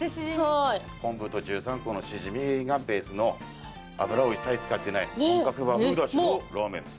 コンブと十三湖のシジミがベースの油を一切使ってない本格和風だしのラーメンです。